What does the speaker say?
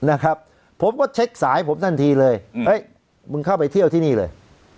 นะครับผมก็เช็คสายผมทันทีเลยเฮ้ยมึงเข้าไปเที่ยวที่นี่เลย